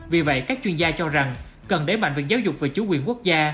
vì vậy các chuyên gia cho rằng cần đẩy mạnh việc giáo dục về chủ quyền quốc gia